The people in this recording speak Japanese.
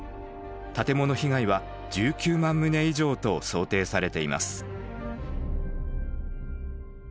建物被害は１９万棟以上と想定されています。